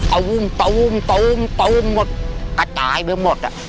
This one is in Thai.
เอาอุ้มหมดกระจายไปหมด